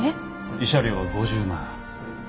慰謝料は５０万。